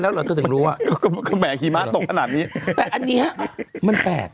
แล้วเหรอเธอถึงรู้ว่าแหมหิมะตกขนาดนี้แต่อันเนี้ยมันแปลก